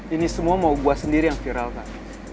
ini semua mau gue sendiri yang viralkan